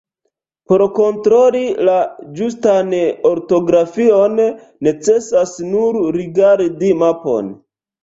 Por kontroli la ĝustan ortografion necesas nur rigardi mapon...